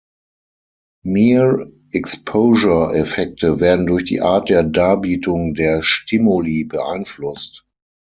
Mere-Exposure-Effekte werden durch die Art der Darbietung der Stimuli beeinflusst.